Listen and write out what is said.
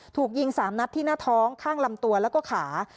ถูกยิง๓นัดที่หน้าท้องข้างลำตัวแล้วก็ขา